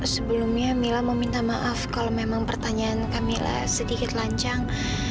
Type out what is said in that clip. sebelumnya mila meminta maaf kalau memang pertanyaan kami sedikit lancang